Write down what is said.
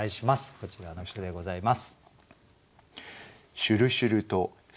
こちらの句でございます。